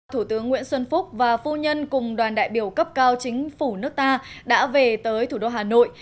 thủ tướng nguyễn xuân phúc và phu nhân cùng đoàn đại biểu cấp cao chính phủ nước ta đã về tới thủ đô hà nội